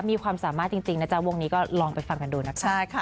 มีความสามารถจริงนะจ๊ะวงนี้ก็ลองไปฟังกันดูนะคะ